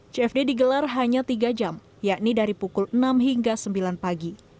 cfd digelar hanya tiga jam yakni dari pukul enam hingga sembilan pagi